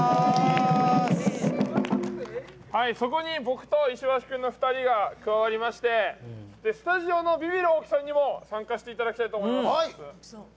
そこに僕と石橋君の２人が加わりましてスタジオのビビる大木さんにも参加していただきたいと思います。